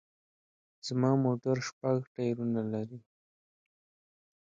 زما موټر شپږ ټیرونه لري